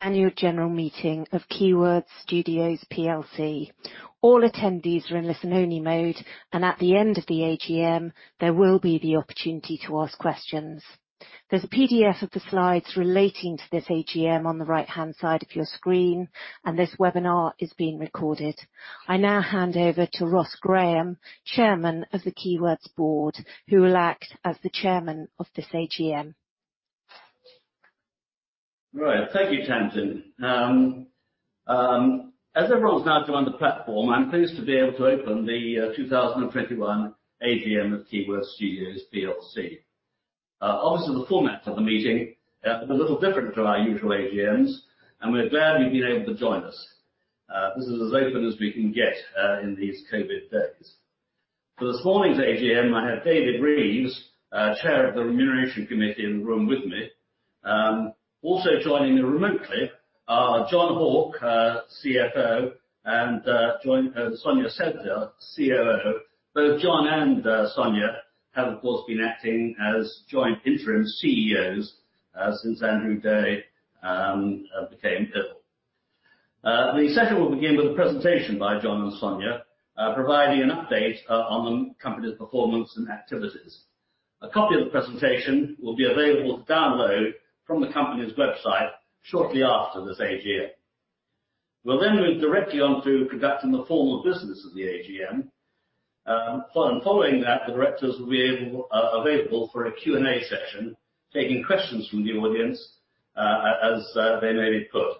Annual general meeting of Keywords Studios Plc. All attendees are in listen only mode. At the end of the AGM, there will be the opportunity to ask questions. There's a PDF of the slides relating to this AGM on the right-hand side of your screen. This webinar is being recorded. I now hand over to Ross Graham, Chairman of the Keywords Board, who will act as the Chairman of this AGM. Right. Thank you, Tamsin. As everyone's now joined the platform, I'm pleased to be able to open the 2021 AGM of Keywords Studios Plc. Obviously, the format of the meeting is a little different to our usual AGMs, and we're glad you've been able to join us. This is as open as we can get in these COVID days. For this morning's AGM, I have David Reeves, Chair of the Remuneration Committee, in the room with me. Also joining remotely are Jon Hauck, CFO, and Sonia Sedler, COO. Both Jon and Sonia have, of course, been acting as joint interim CEOs, since Andrew Day became ill. The session will begin with a presentation by Jon and Sonia, providing an update on the company's performance and activities. A copy of the presentation will be available to download from the company's website shortly after this AGM. We'll then move directly on to conducting the formal business of the AGM. Following that, the directors will be available for a Q&A session, taking questions from the audience, as they may be put.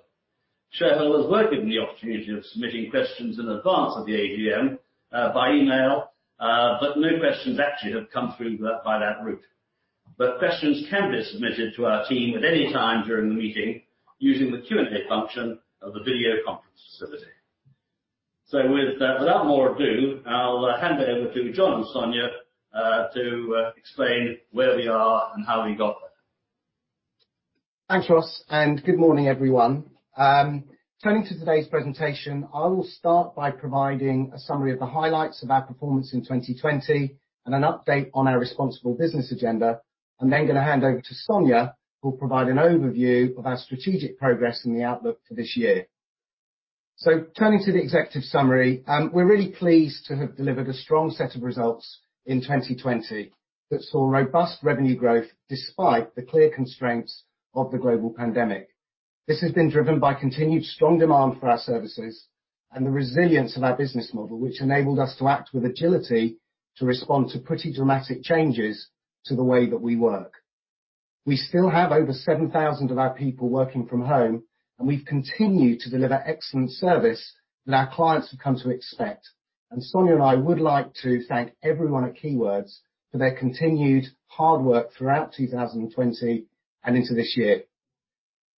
Shareholders were given the opportunity of submitting questions in advance of the AGM by email, but no questions actually have come through by that route. Questions can be submitted to our team at any time during the meeting using the Q&A function of the video conference facility. Without more ado, I'll hand it over to Jon and Sonia, to explain where we are and how we got there. Thanks, Ross, good morning, everyone. Turning to today's presentation, I will start by providing a summary of the highlights of our performance in 2020 and an update on our responsible business agenda. I'm then going to hand over to Sonia, who'll provide an overview of our strategic progress and the outlook for this year. Turning to the executive summary, we're really pleased to have delivered a strong set of results in 2020 that saw robust revenue growth despite the clear constraints of the global pandemic. This has been driven by continued strong demand for our services and the resilience of our business model, which enabled us to act with agility to respond to pretty dramatic changes to the way that we work. We still have over 7,000 of our people working from home, we've continued to deliver excellent service that our clients have come to expect. Sonia and I would like to thank everyone at Keywords for their continued hard work throughout 2020 and into this year.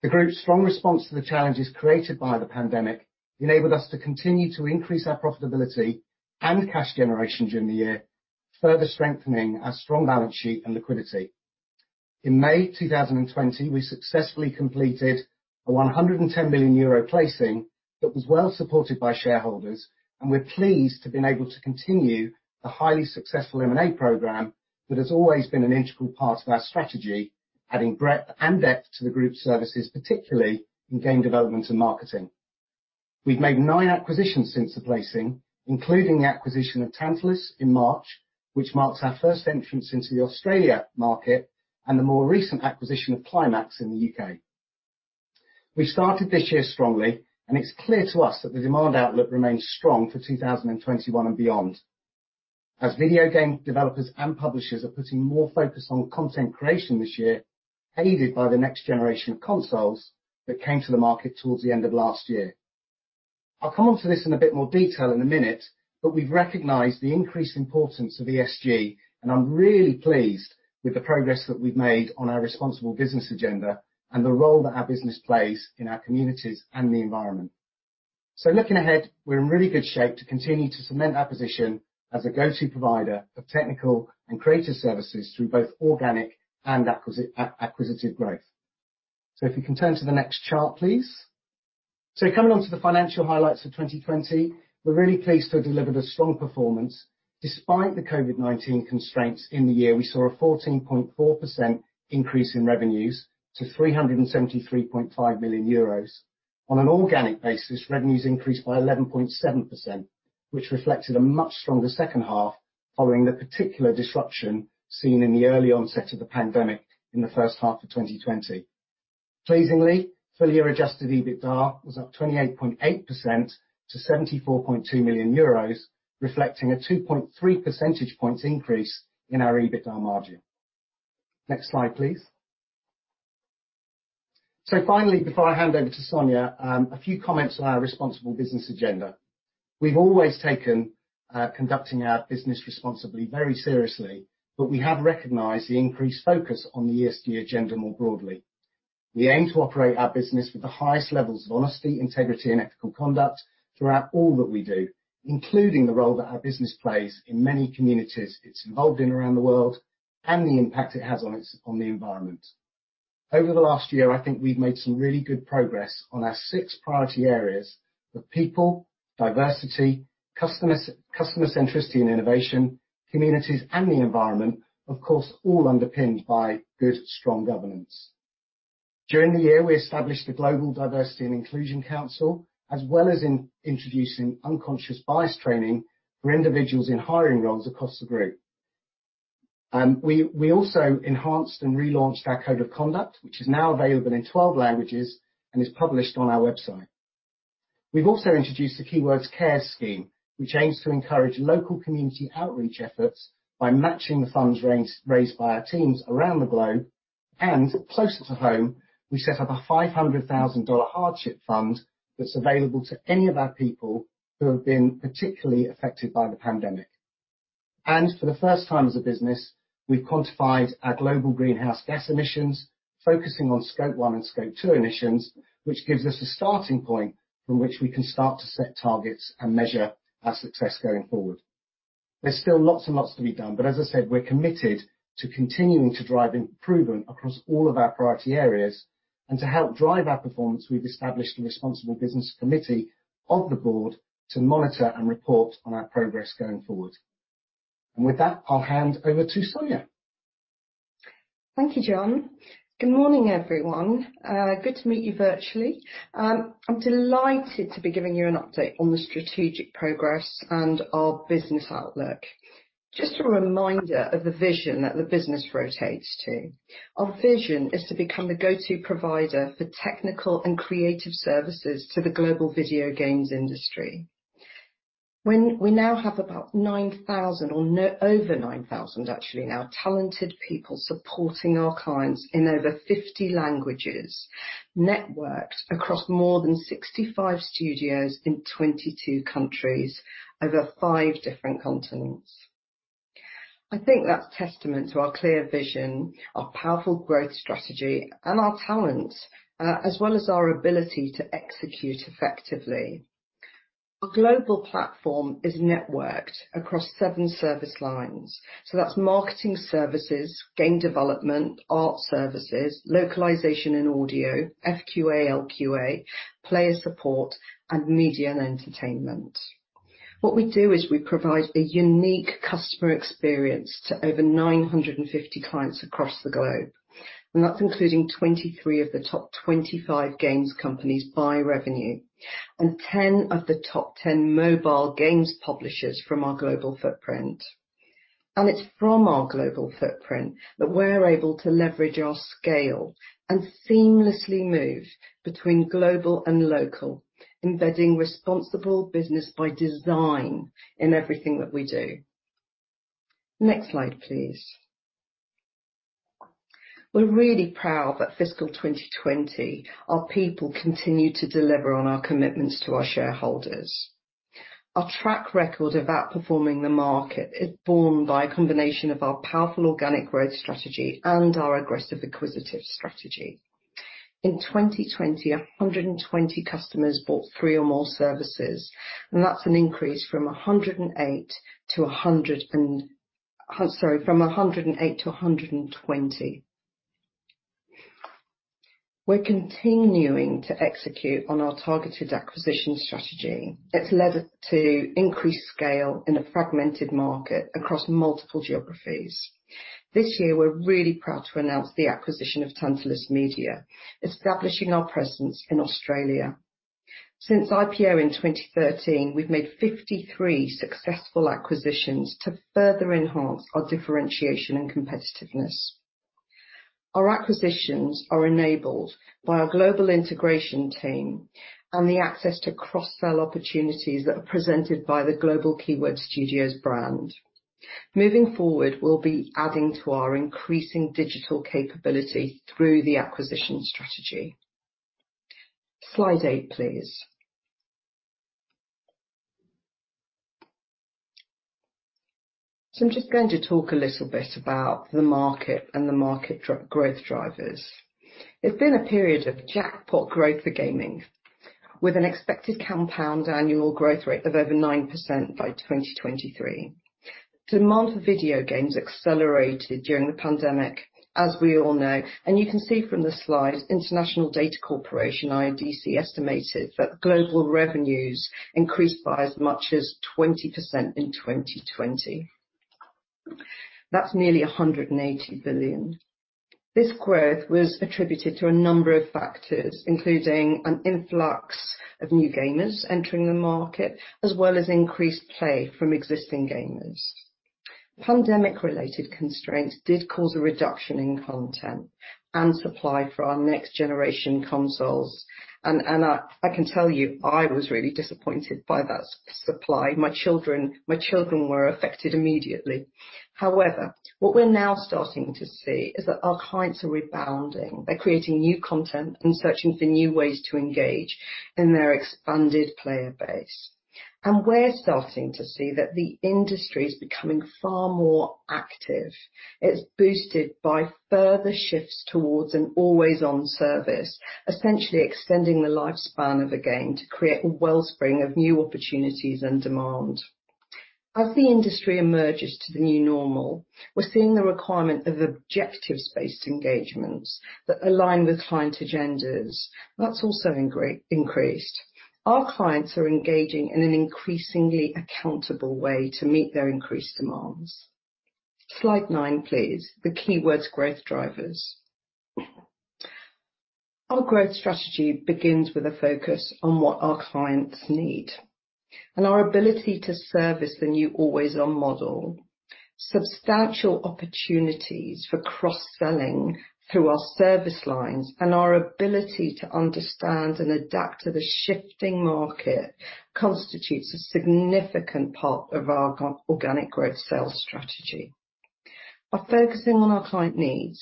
The group's strong response to the challenges created by the pandemic enabled us to continue to increase our profitability and cash generation during the year, further strengthening our strong balance sheet and liquidity. In May 2020, we successfully completed a 110 million euro placing that was well supported by shareholders. We're pleased to have been able to continue the highly successful M&A program that has always been an integral part of our strategy, adding breadth and depth to the group services, particularly in Game Development and Marketing Services. We've made nine acquisitions since the placing, including the acquisition of Tantalus in March, which marks our first entrance into the Australia market, and the more recent acquisition of Climax in the U.K. We started this year strongly, and it's clear to us that the demand outlook remains strong for 2021 and beyond, as video game developers and publishers are putting more focus on content creation this year, aided by the next generation of consoles that came to the market towards the end of last year. I'll come onto this in a bit more detail in a minute, but we've recognized the increased importance of ESG, and I'm really pleased with the progress that we've made on our responsible business agenda and the role that our business plays in our communities and the environment. Looking ahead, we're in really good shape to continue to cement our position as a go-to provider of technical and creative services through both organic and acquisitive growth. If you can turn to the next chart, please. Coming on to the financial highlights of 2020. We're really pleased to have delivered a strong performance despite the COVID-19 constraints in the year. We saw a 14.4% increase in revenues to 373.5 million euros. On an organic basis, revenues increased by 11.7%, which reflected a much stronger second half following the particular disruption seen in the early onset of the pandemic in the first half of 2020. Pleasingly, full-year adjusted EBITDA was up 28.8% to 74.2 million euros, reflecting a 2.3 percentage points increase in our EBITDA margin. Next slide, please. Finally, before I hand over to Sonia, a few comments on our responsible business agenda. We've always taken conducting our business responsibly very seriously, but we have recognized the increased focus on the ESG agenda more broadly. We aim to operate our business with the highest levels of honesty, integrity and ethical conduct throughout all that we do, including the role that our business plays in many communities it's involved in around the world, and the impact it has on the environment. Over the last year, I think we've made some really good progress on our six priority areas of people, diversity, customer centricity and innovation. Communities and the environment, of course, all underpinned by good, strong governance. During the year, we established the Global Diversity and Inclusion Council, as well as introducing unconscious bias training for individuals in hiring roles across the group. We also enhanced and relaunched our code of conduct, which is now available in 12 languages and is published on our website. We've also introduced the Keywords Cares scheme, which aims to encourage local community outreach efforts by matching the funds raised by our teams around the globe. Closer to home, we set up a $500,000 hardship fund that's available to any of our people who have been particularly affected by the pandemic. For the first time as a business, we've quantified our global greenhouse gas emissions, focusing on Scope 1 and Scope 2 emissions, which gives us a starting point from which we can start to set targets and measure our success going forward. There's still lots and lots to be done. As I said, we're committed to continuing to drive improvement across all of our priority areas. To help drive our performance, we've established a responsible business committee of the board to monitor and report on our progress going forward. With that, I'll hand over to Sonia. Thank you, Jon. Good morning, everyone. Good to meet you virtually. I'm delighted to be giving you an update on the strategic progress and our business outlook. Just a reminder of the vision that the business rotates to. Our vision is to become a go-to provider for technical and creative services to the global video games industry. We now have about 9,000, or over 9,000 actually, our talented people supporting our clients in over 50 languages, networked across more than 65 studios in 22 countries over five different continents. I think that's testament to our clear vision, our powerful growth strategy and our talent, as well as our ability to execute effectively. Our global platform is networked across seven service lines. That's Marketing Services, Game Development, Art Services, Localization and Audio, FQA, LQA, Player Support, and Media & Entertainment. What we do is we provide a unique customer experience to over 950 clients across the globe, and that's including 23 of the top 25 games companies by revenue and 10 of the top 10 mobile games publishers from our global footprint. It's from our global footprint that we're able to leverage our scale and seamlessly move between global and local, embedding responsible business by design in everything that we do. Next slide, please. We're really proud that fiscal 2020, our people continued to deliver on our commitments to our shareholders. Our track record of outperforming the market is borne by a combination of our powerful organic growth strategy and our aggressive acquisitive strategy. In 2020, 120 customers bought three or more services, and that's an increase from 108 to 120. We're continuing to execute on our targeted acquisition strategy that's led to increased scale in a fragmented market across multiple geographies. This year, we're really proud to announce the acquisition of Tantalus Media, establishing our presence in Australia. Since IPO in 2013, we've made 53 successful acquisitions to further enhance our differentiation and competitiveness. Our acquisitions are enabled by our global integration team and the access to cross-sell opportunities that are presented by the global Keywords Studios brand. Moving forward, we'll be adding to our increasing digital capability through the acquisition strategy. Slide eight, please. I'm just going to talk a little bit about the market and the market growth drivers. It's been a period of jackpot growth for gaming, with an expected compound annual growth rate of over 9% by 2023. Demand for video games accelerated during the pandemic, as we all know, and you can see from the slides, International Data Corporation, IDC, estimated that global revenues increased by as much as 20% in 2020. That's nearly 180 billion. This growth was attributed to a number of factors, including an influx of new gamers entering the market, as well as increased play from existing gamers. Pandemic-related constraints did cause a reduction in content and supply for our next generation consoles. I can tell you, I was really disappointed by that supply. My children were affected immediately. However, what we're now starting to see is that our clients are rebounding by creating new content and searching for new ways to engage in their expanded player base. We're starting to see that the industry is becoming far more active. It's boosted by further shifts towards an always-on service, essentially extending the lifespan of a game to create a wellspring of new opportunities and demand. As the industry emerges to the new normal, we're seeing the requirement of objectives-based engagements that align with client agendas, and that's also increased. Our clients are engaging in an increasingly accountable way to meet their increased demands. Slide nine, please. The Keywords growth drivers. Our growth strategy begins with a focus on what our clients need, and our ability to service the new always-on model, substantial opportunities for cross-selling through our service lines, and our ability to understand and adapt to the shifting market constitutes a significant part of our organic growth sales strategy. By focusing on our client needs,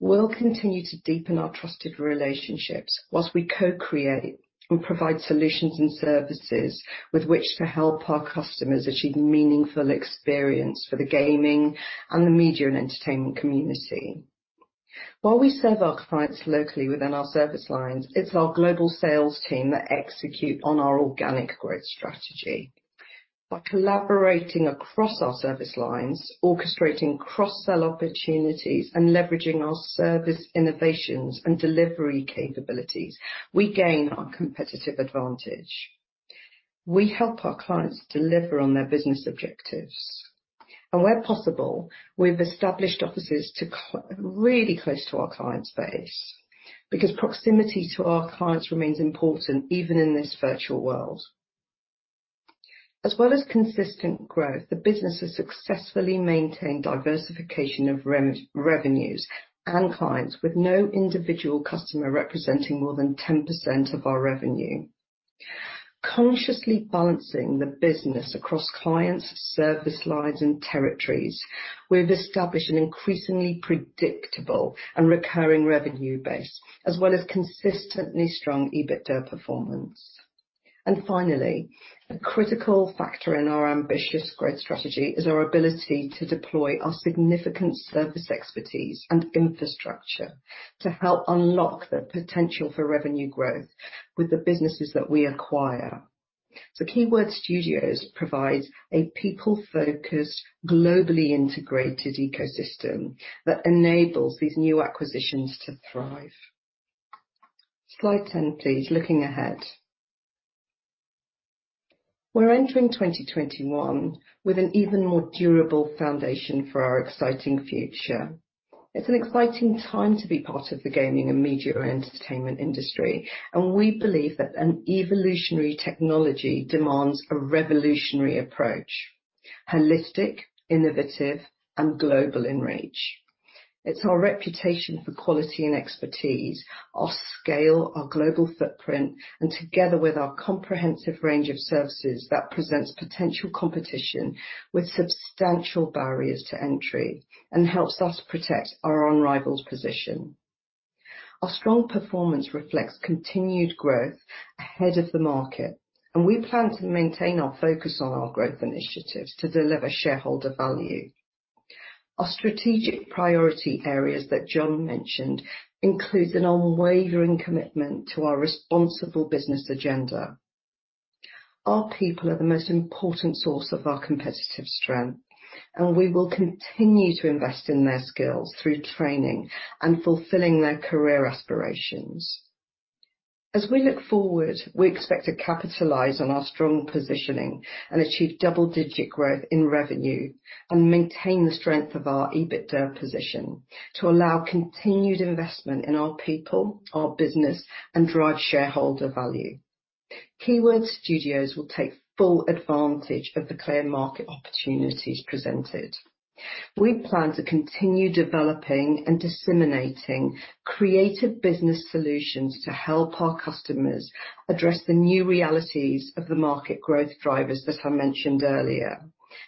we'll continue to deepen our trusted relationships whilst we co-create and provide solutions and services with which to help our customers achieve meaningful experience for the gaming and the Media & Entertainment community. While we serve our clients locally within our service lines, it's our global sales team that execute on our organic growth strategy. By collaborating across our service lines, orchestrating cross-sell opportunities, and leveraging our service innovations and delivery capabilities, we gain our competitive advantage. We help our clients deliver on their business objectives. Where possible, we've established offices really close to our client base, because proximity to our clients remains important, even in this virtual world. As well as consistent growth, the business has successfully maintained diversification of revenues and clients, with no individual customer representing more than 10% of our revenue. Consciously balancing the business across clients, service lines, and territories, we've established an increasingly predictable and recurring revenue base, as well as consistently strong EBITDA performance. Finally, a critical factor in our ambitious growth strategy is our ability to deploy our significant service expertise and infrastructure to help unlock the potential for revenue growth with the businesses that we acquire. Keywords Studios provides a people-focused, globally integrated ecosystem that enables these new acquisitions to thrive. Slide 10, please. Looking ahead. We're entering 2021 with an even more durable foundation for our exciting future. It's an exciting time to be part of the gaming and Media & Entertainment industry. We believe that an evolutionary technology demands a revolutionary approach. Holistic, innovative, and global in reach. It's our reputation for quality and expertise, our scale, our global footprint, together with our comprehensive range of services that presents potential competition with substantial barriers to entry and helps us protect our unrivaled position. Our strong performance reflects continued growth ahead of the market. We plan to maintain our focus on our growth initiatives to deliver shareholder value. Our strategic priority areas that Jon mentioned includes an unwavering commitment to our responsible business agenda. Our people are the most important source of our competitive strength. We will continue to invest in their skills through training and fulfilling their career aspirations. As we look forward, we expect to capitalize on our strong positioning and achieve double-digit growth in revenue and maintain the strength of our EBITDA position to allow continued investment in our people, our business, and drive shareholder value. Keywords Studios will take full advantage of the clear market opportunities presented. We plan to continue developing and disseminating creative business solutions to help our customers address the new realities of the market growth drivers that I mentioned earlier.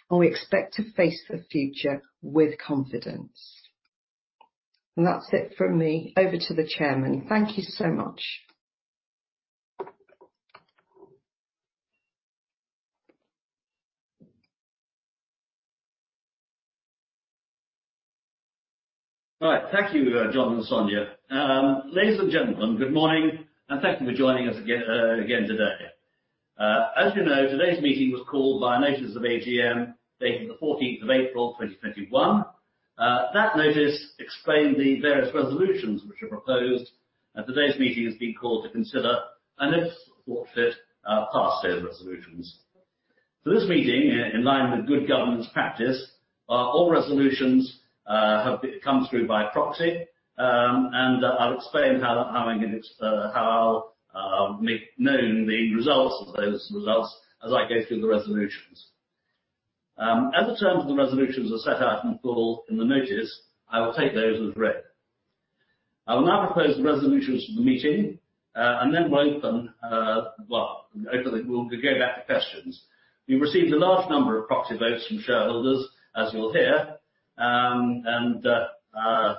We expect to face the future with confidence. That's it from me. Over to the Chairman. Thank you so much. All right. Thank you, Jon and Sonia. Ladies and gentlemen, good morning, and thank you for joining us again today. As you know, today's meeting was called by a notice of AGM, dated 14th of April 2021. That notice explained the various resolutions which are proposed, and today's meeting has been called to consider, and if thought fit, pass those resolutions. For this meeting, in line with good governance practice, all resolutions have come through by proxy, and I'll explain how I'll make known the results of those results as I go through the resolutions. As the terms of the resolutions are set out in full in the notice, I will take those as read. I will now propose the resolutions for the meeting, and then we'll go back to questions. We've received a large number of proxy votes from shareholders, as you'll hear. As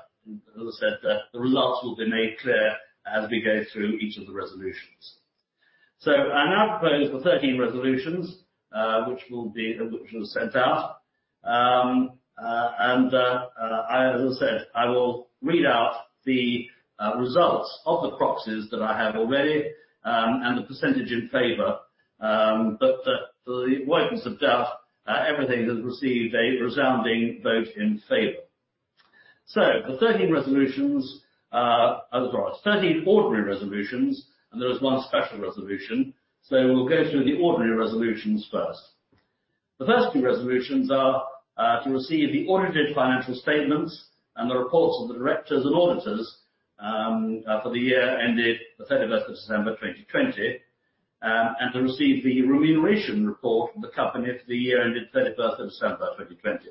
I said, the results will be made clear as we go through each of the resolutions. I now propose the 13 resolutions, which was sent out. As I said, I will read out the results of the proxies that I have already and the percentage in favor. For the avoidance of doubt, everything has received a resounding vote in favor. The 13 resolutions are as follows, 13 ordinary resolutions, and there is one special resolution. We'll go through the ordinary resolutions first. The first two resolutions are to receive the audited financial statements and the reports of the directors and auditors for the year ended the 31st of December 2020, and to receive the remuneration report from the company for the year ended 31st of December 2020.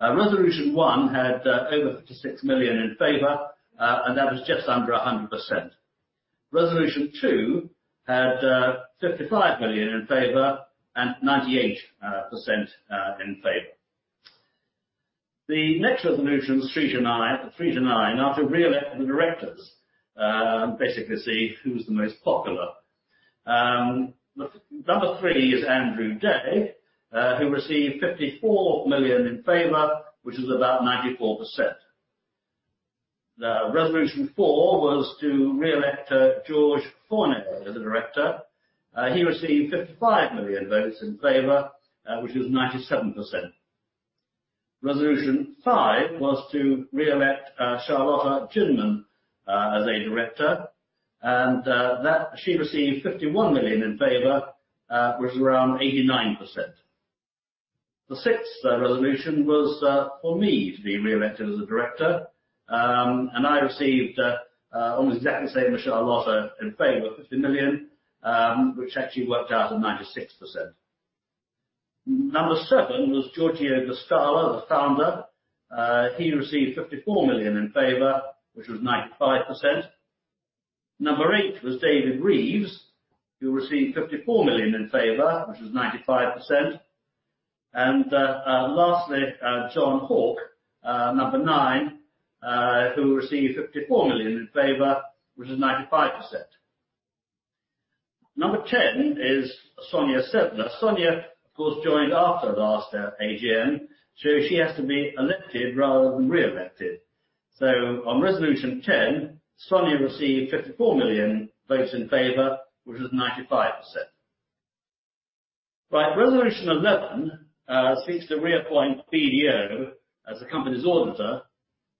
Resolution 1 had over 56 million in favor, and that was just under 100%. Resolution two had 55 million in favor and 98% in favor. The next resolutions, three to nine, are to re-elect the directors, basically see who's the most popular. Number 3 is Andrew Day, who received 54 million in favor, which is about 94%. Resolution 4 was to re-elect Georges Fornay as a Director. He received 55 million votes in favor, which was 97%. Resolution 5 was to re-elect Charlotta Ginman as a Director, and she received 51 million in favor, which was around 89%. The sixth resolution was for me to be re-elected as a Director, and I received almost exactly the same as Charlotta in favor, 50 million, which actually worked out at 96%. Resolution 7 was Giorgio Guastalla, the Founder. He received 54 million in favor, which was 95%. Resolution 8 was David Reeves, who received 54 million in favor, which was 95%. Lastly, Jon Hauck, number nine, who received 54 million in favor, which was 95%. Resolution 10 is Sonia Sedler. Sonia, of course, joined after last AGM, so she has to be elected rather than re-elected. On Resolution 10, Sonia received 54 million votes in favor, which was 95%. Right. Resolution 11 seeks to reappoint BDO as the company's auditor,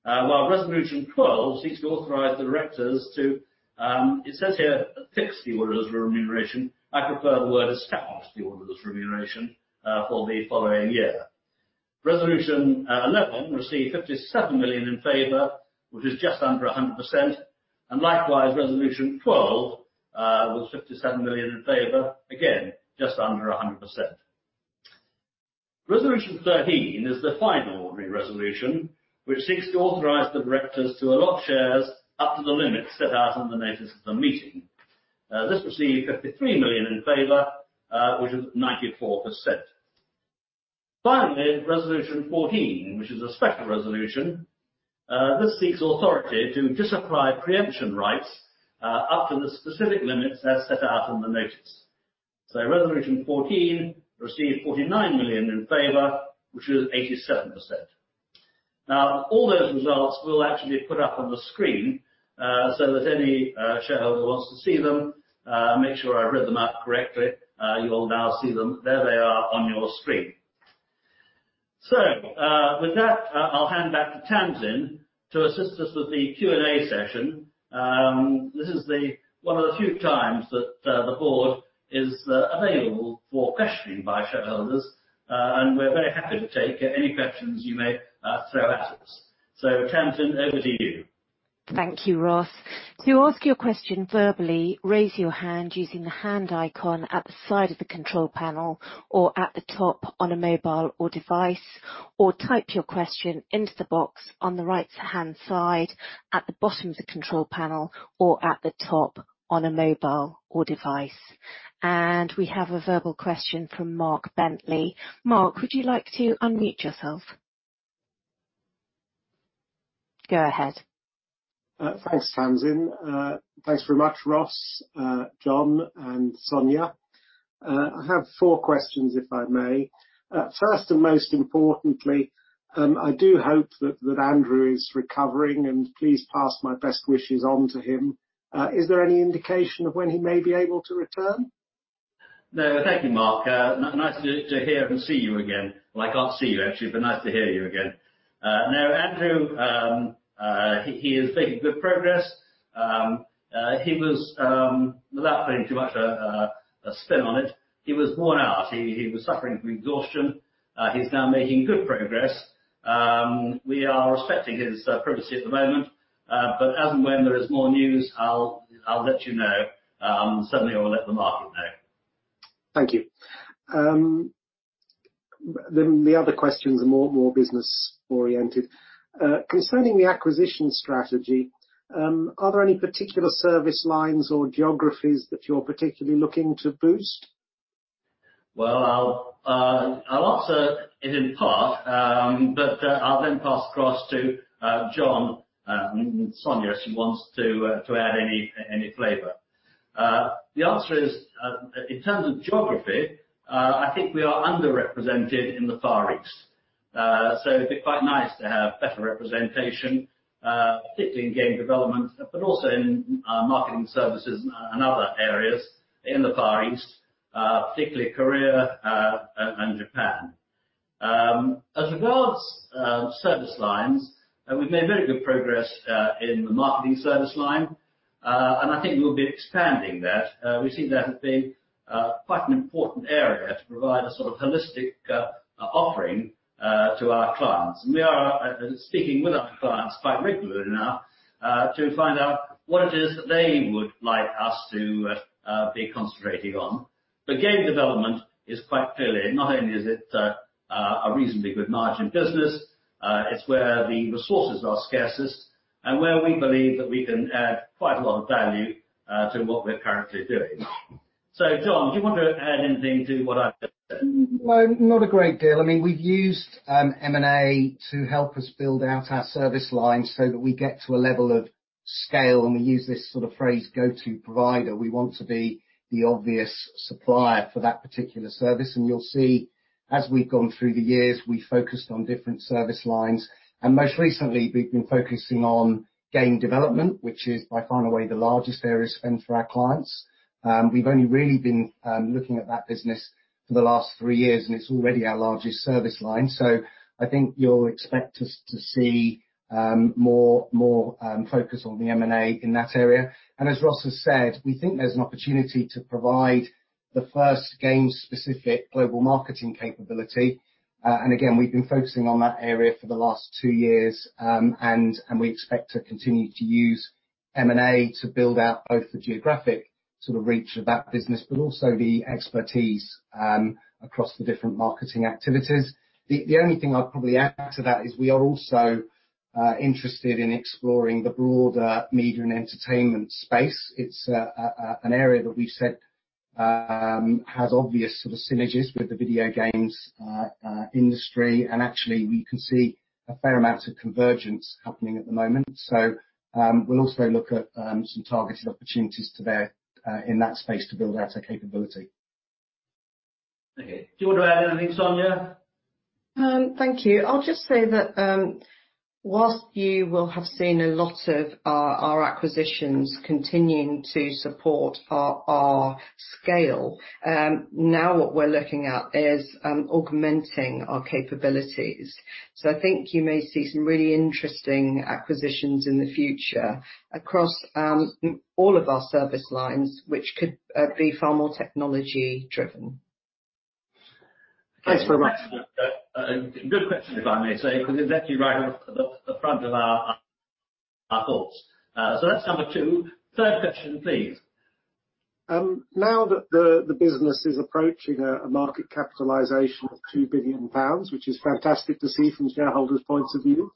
while Resolution 12 seeks to authorize the directors to, it says here, fix the auditor's remuneration. I prefer the word establish the auditor's remuneration for the following year. Resolution 11 received 57 million in favor, which is just under 100%, and likewise, Resolution 12 was 57 million in favor, again, just under 100%. Resolution 13 is the final ordinary resolution, which seeks to authorize the directors to allot shares up to the limit set out on the notice of the meeting. This received 53 million in favor, which is 94%. Finally, resolution 14, which is a special resolution, this seeks authority to disapply preemption rights up to the specific limits as set out in the notice. Resolution 14 received 49 million in favor, which is 87%. Now, all those results will actually be put up on the screen so that any shareholder who wants to see them, make sure I read them out correctly. You will now see them. There they are on your screen. With that, I'll hand back to Tamsin to assist us with the Q&A session. This is one of the few times that the board is available for questioning by shareholders, and we're very happy to take any questions you may throw at us. Tamsin, over to you. Thank you, Ross. To ask your question verbally, raise your hand using the hand icon at the side of the control panel or at the top on a mobile or device, or type your question into the box on the right-hand side at the bottom of the control panel or at the top on a mobile or device. We have a verbal question from Mark Bentley. Mark, would you like to unmute yourself? Go ahead. Thanks, Tamsin. Thanks very much, Ross, Jon, and Sonia. I have four questions, if I may. First, and most importantly, I do hope that Andrew is recovering and please pass my best wishes on to him. Is there any indication of when he may be able to return? Thank you, Mark. Nice to hear and see you again. Well, I can't see you actually, nice to hear you again. Andrew, he is making good progress. Without putting too much of a spin on it, he was worn out. He was suffering from exhaustion. He's now making good progress. We are respecting his privacy at the moment, as and when there is more news, I'll let you know. Certainly, I will let the market know. Thank you. The other questions are more business-oriented. Concerning the acquisition strategy, are there any particular service lines or geographies that you're particularly looking to boost? I'll answer it in part, but I'll then pass across to Jon and Sonia, she wants to add any flavor. The answer is, in terms of geography, I think we are underrepresented in the Far East. It'd be quite nice to have better representation, particularly in Game Development, but also in Marketing Services and other areas in the Far East, particularly Korea and Japan. As regards service lines, we've made very good progress in the Marketing Services line, and I think we'll be expanding that. We see that as being quite an important area to provide a sort of holistic offering to our clients. We are speaking with our clients quite regularly now to find out what it is that they would like us to be concentrating on. Game Development is quite clearly, not only is it a reasonably good margin business, it's where the resources are scarcest, and where we believe that we can add quite a lot of value to what we're currently doing. Jon, do you want to add anything to what I've said? Well, not a great deal. We've used M&A to help us build out our service lines so that we get to a level of scale. We use this sort of phrase go-to provider. We want to be the obvious supplier for that particular service. You'll see as we've gone through the years, we focused on different service lines. Most recently, we've been focusing on Game Development, which is, by far and away, the largest area of spend for our clients. We've only really been looking at that business for the last three years, and it's already our largest service line. I think you'll expect us to see more focus on the M&A in that area. As Ross has said, we think there's an opportunity to provide the first game-specific global Marketing capability. Again, we've been focusing on that area for the last two years, and we expect to continue to use M&A to build out both the geographic reach of that business, but also the expertise across the different marketing activities. The only thing I'll probably add to that is we are also interested in exploring the broader Media & Entertainment space. It's an area that we said has obvious synergies with the video games industry. Actually, we can see a fair amount of convergence happening at the moment. We'll also look at some targeted opportunities today in that space to build out our capability. Okay. Do you want to add anything, Sonia? Thank you. I'll just say that whilst you will have seen a lot of our acquisitions continuing to support our scale, now what we're looking at is augmenting our capabilities. I think you may see some really interesting acquisitions in the future across all of our service lines, which could be far more technology-driven. Thanks very much. Good question, if I may say, because it's exactly right at the front of our thoughts. Let's have a third question, please. Now that the business is approaching a market capitalization of 2 billion pounds, which is fantastic to see from shareholders' points of view,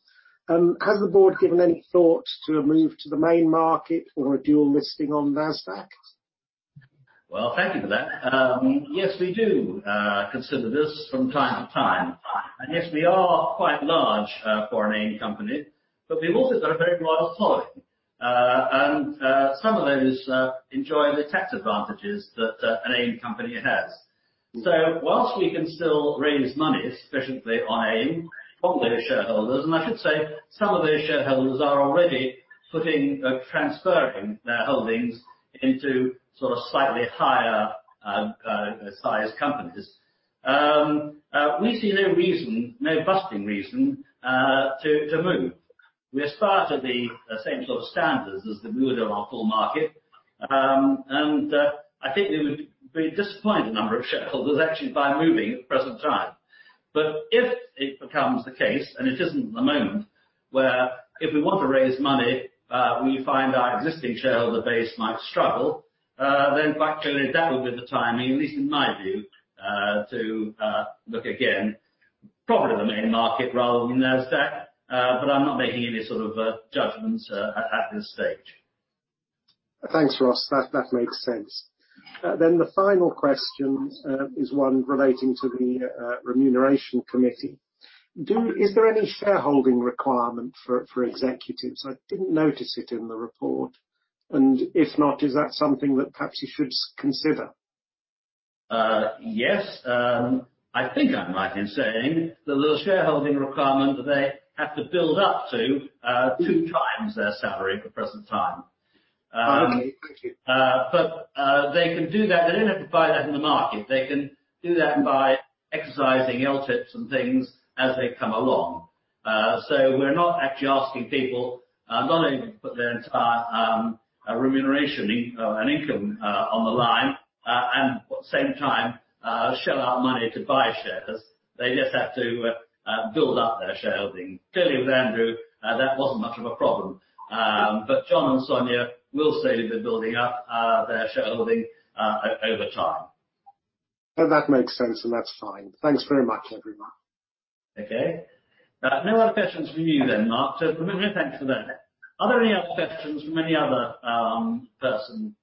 has the board given any thought to a move to the main market or a dual listing on Nasdaq? Well, thank you for that. Yes, we do consider this from time to time. Yes, we are quite large for an AIM company, but we also do a great deal of time. Some of them is enjoying the tax advantages that AIM company has. So while sleeping still raise monies especially on AIM. Probably the shareholder or I should say some of the shareholders are already putting transferring holdings into slightly higher, highest companies. At least in their reason, may bust their reason to move which rather be the same for standards as the full market. I think I'm very disappointed to shareholders actually by moving it present time. If it becomes the case and it isn't the moment. Well if we want to raise money. If the existing shareholder base marks struggle. Then that will be the time to re-list in my view. But again probably our main market probably Nasdaq. But I'm not making any certain judgements at this state. Thanks, Ross. That makes sense. The final question is one relating to the remuneration committee. Is there any shareholding requirement for executives? I didn't notice it in the report. If not, is that something that perhaps you should consider? Yes. I think I'm right in saying that there's a shareholding requirement that they have to build up to two times their salary at the present time. Okay. Thank you. They can do that. They don't have to buy that in the market. They can do that by exercising LTIPs and things as they come along. We're not actually asking people not only to put their entire remuneration income on the line, and at the same time shell out money to buy shares, they just have to build up their shareholding. Clearly with Andrew, that wasn't much of a problem. Jon and Sonia will slowly be building up their shareholding over time. That makes sense, and that's fine. Thanks very much, everyone. Okay. No other questions from you then, Mark. Many thanks for that. Are there any other questions from any other person?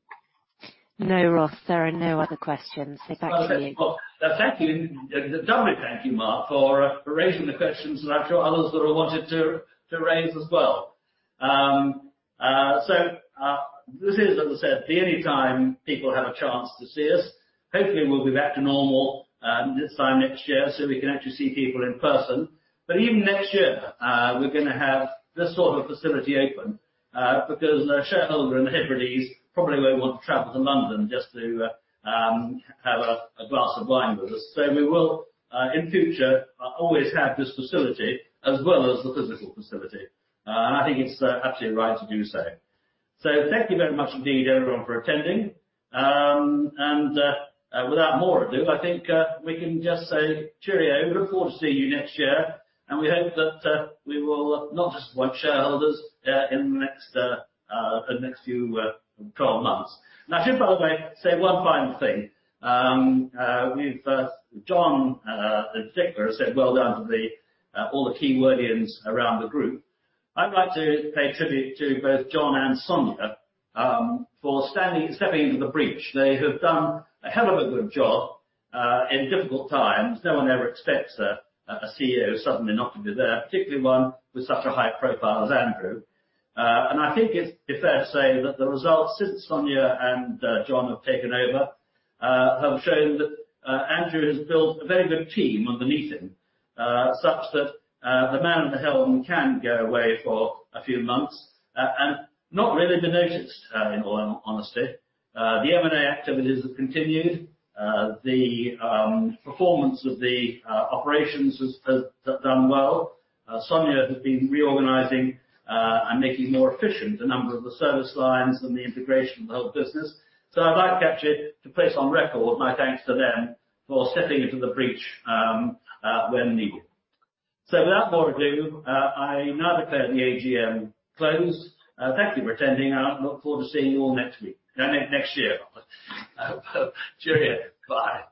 No, Ross, there are no other questions. Thank you. Well, thank you, and a doubly thank you, Mark, for raising the questions that I'm sure others would have wanted to raise as well. This is, as I said, the only time people have a chance to see us. Hopefully, we'll be back to normal this time next year, so we can actually see people in person. Even next year, we're going to have this sort of facility open because a shareholder in the Hebrides probably won't want to travel to London just to have a glass of wine with us. We will, in future, always have this facility as well as the physical facility. I think it's actually right to do so. Thank you very much indeed, everyone, for attending. Without more ado, I think we can just say cheerio. Look forward to seeing you next year, and we hope that we will not have to invite shareholders in the next few 12 months. I should, by the way, say one final thing. Jon and Victor have said well done to all the team Williams around the group. I'd like to pay tribute to both Jon and Sonia for stepping into the breach. They have done a hell of a good job in difficult times. No one ever expects a CEO suddenly not to be there, particularly one with such a high profile as Andrew. I think it's fair to say that the results since Sonia and Jon have taken over have shown that Andrew has built a very good team underneath him, such that the man at the helm can go away for a few months and not really be noticed, in all honesty. The M&A activities have continued. The performance of the operations has done well. Sonia has been reorganizing and making more efficient a number of the service lines and the integration of the whole business. I'd like actually to place on record my thanks to them for stepping into the breach when needed. Without more ado, I now declare the AGM closed. Thank you for attending. I look forward to seeing you all next year. Cheerio. Bye